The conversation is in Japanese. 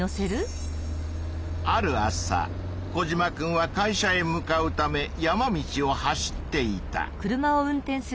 ある朝コジマくんは会社へ向かうため山道を走っていた。